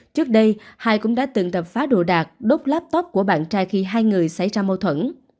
trước đây hai cũng đã từng tập phá đồ đạc đốt laptop của bạn trai khi hai người xảy ra mâu thuẫn